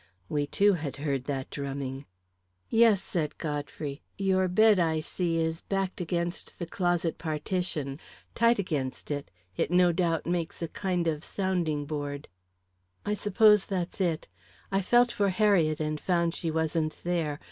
We, too, had heard that drumming! "Yes," said Godfrey. "Your bed, I see, is backed against the closet partition tight against it. It no doubt makes a kind of sounding board." "I suppose that's it. I felt for Harriet and found she wasn't there.